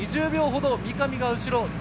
２０秒ほど三上が後ろ。